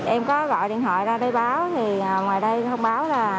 em có gọi điện thoại ra đây báo thì ngoài đây thông báo là